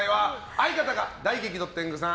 相方が大激怒天狗さん。